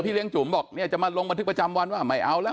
พี่เลี้ยงจุมบอกจะมาลงตรวจประจำวันไม่เอาแล้ว